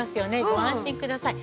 ご安心ください。